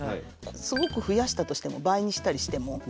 すごく増やしたとしても倍にしたりしても。